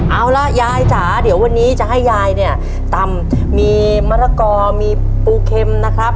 เอาล่ะยายจ๋าเดี๋ยววันนี้จะให้ยายเนี่ยตำมีมะละกอมีปูเข็มนะครับ